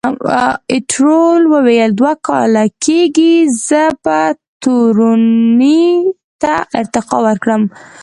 ایټور وویل، دوه کاله کېږي، زه به تورنۍ ته ارتقا وکړم.